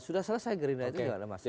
sudah selesai gerindanya juga gak ada masalah